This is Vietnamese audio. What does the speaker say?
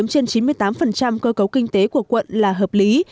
bốn trên chín mươi tám cơ cấu kinh tế của quận là hợp lý